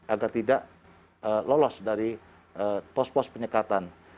agar tidak lolos dari pos pos penyekatan